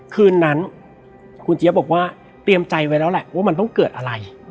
คืนนั้นคุณเจี๊ยบบอกว่าเตรียมใจไว้แล้วแหละว่ามันต้องเกิดอะไร